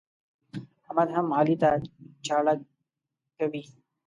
احمد هم علي ته چاړه کښوي.